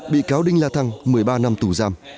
bị cáo đinh la thăng một mươi ba năm tù giam